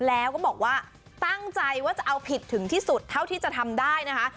แล้วก็บอกว่าตั้งใจว่าจะเอาผิดถึงที่สุดเท่าที่จะทำได้นะคะ